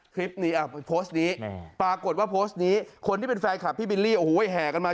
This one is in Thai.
โพสต์นี้ปรากฏว่าโพสต์นี้คนที่เป็นแฟนคลับพี่บิลลี่โอ้โหแห่กันมา